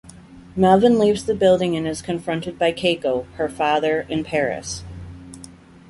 Melvin leaves the building and is confronted by Keiko, her father and Paris.